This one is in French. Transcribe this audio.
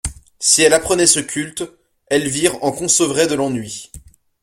Si elle apprenait ce culte, Elvire en concevrait de l'ennui.